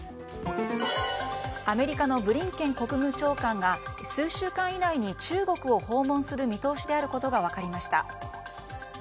アメリカのブリンケン国務長官が数週間以内に中国を訪問する見通しであることが分かりました。